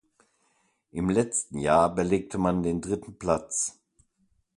Im ersten Jahr belegte man den dritten Platz.